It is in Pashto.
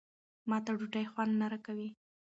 ما ته ډوډۍ خوند نه راکوي.